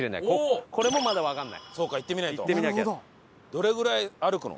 どれぐらい歩くの？